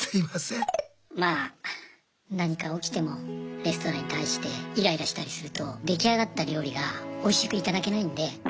まぁ何か起きてもレストランに対してイライラしたりすると出来上がった料理がおいしく頂けないんで。